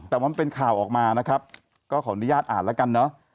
แต่ว่ามันเป็นข่าวออกมานะครับก็ขออนุญาตอ่านแล้วกันเนอะ